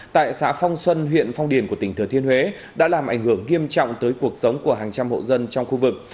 tại xã phong xuân huyện phong điền của tỉnh thừa thiên huế đã làm ảnh hưởng nghiêm trọng tới cuộc sống của hàng trăm hộ dân trong khu vực